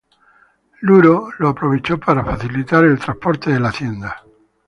Luro lo aprovechó para facilitar el transporte de la hacienda.